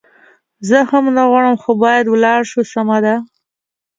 زه هم نه غواړم، خو باید ولاړ شو، سمه ده.